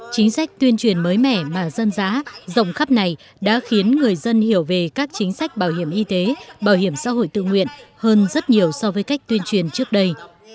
chính sách tuyên truyền mới mẻ mà dân giá rộng khắp này đã khiến người dân hiểu về các chính sách bảo hiểm y tế bảo hiểm xã hội tự nguyện hơn rất nhiều so với cách tuyên truyền trước đây